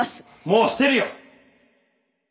もうしてるよ！